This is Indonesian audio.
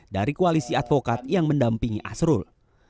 dari koalisi advokat yang mendampingi asrul